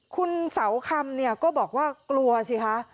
คุณเสาคำเนี่ยก็บอกว่ากลัวสิคะ